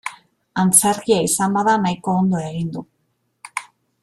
Antzerkia izan bada nahiko ondo egin du.